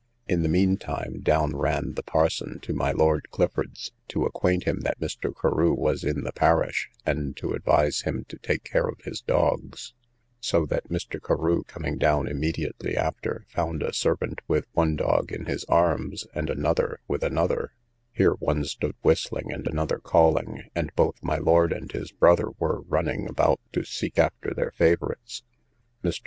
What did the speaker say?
In the mean time down ran the parson to my Lord Clifford's, to acquaint him that Mr. Carew was in the parish, and to advise him to take care of his dogs; so that Mr. Carew, coming down immediately after, found a servant with one dog in his arms, and another with another: here one stood whistling and another calling, and both my lord and his brother were running about to seek after their favourites. Mr.